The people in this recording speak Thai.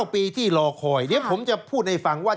๙ปีที่รอคอยเดี๋ยวผมจะพูดให้ฟังว่า